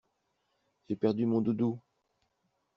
J'ai perdu mon doudou!